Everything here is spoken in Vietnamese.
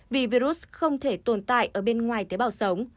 vì virus không thể tồn tại ở bên ngoài tế bào sống